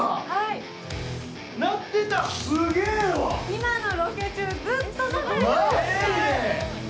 今のロケ中、ずっと流れていました。